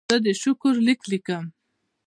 زه د شکر لیک لیکم.